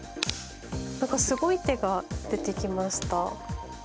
なんかすごい手が出てきましたが。